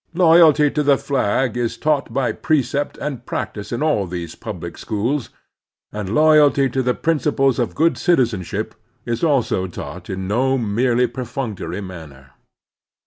Loyalty to the flag is taught by precept and practice in all these public schools, and loyalty to the principles of good citizenship is also taught in no merely perfunctory manner.